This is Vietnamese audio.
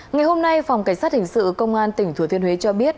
ngày hôm nay phòng cảnh sát hình sự công an tỉnh thừa thiên huế cho biết